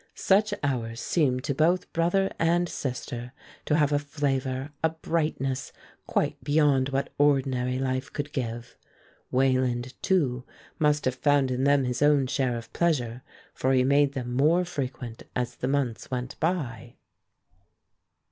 Such hours seemed to both brother and sister to have a flavor, a brightness, quite beyond what ordinary life could give. Wayland, too, must have found in them his own share of pleasure, for he made them more frequent as the months went by.